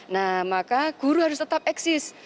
nah maka guru harus tetap eksis